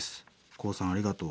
コウさんありがとう。